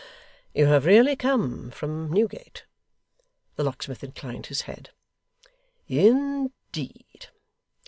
You have really come from Newgate!' The locksmith inclined his head. 'In deed!